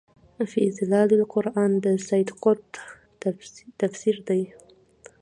في ظِلال القُرآن د سيد قُطب تفسير دی